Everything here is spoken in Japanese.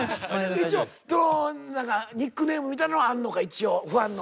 一応ニックネームみたいなのはあんのかファンの。